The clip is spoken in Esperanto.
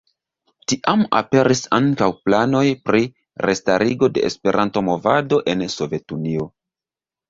Tiam aperis ankaŭ planoj pri restarigo de Esperanto-movado en Sovetunio.